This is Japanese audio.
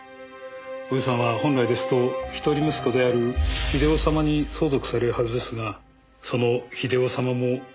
ご遺産は本来ですと１人息子である英雄様に相続されるはずですがその英雄様も７年前に。